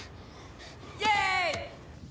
イエーイ！